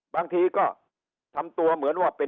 บางทีก็ทำตัวเหมือนว่าเป็น